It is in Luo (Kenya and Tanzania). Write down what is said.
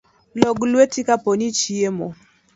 Log lueti kapok ichiemo